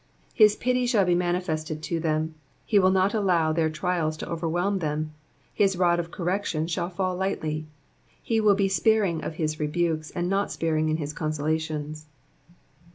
"^^ ITis pity shall be manifested to them ; he will not allow their trials to overwhelm them ; his rod of correction shall fall lightly ; he will be sparing of his rebukes, and not sparing in his con solations.